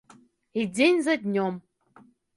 І дзень за днём.